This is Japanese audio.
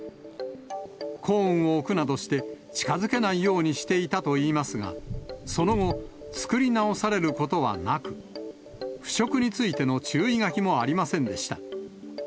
コーンを置くなどして、近づけないようにしていたといいますが、その後、作り直されることはなく、腐食についての注意書きもありませんでした。